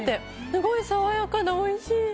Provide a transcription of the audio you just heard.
すごい爽やかでおいしい！